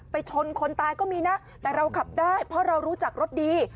ชนคนตายก็มีนะแต่เราขับได้เพราะเรารู้จักรถดี